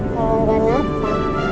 kalau gak napak